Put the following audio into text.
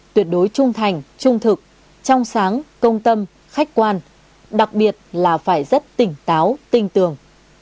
tuyệt đối trung thành trung thực trong sáng công tâm khách quan đặc biệt là phải rất tỉnh táo tinh tường